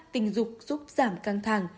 ba tình dục giúp giảm căng thẳng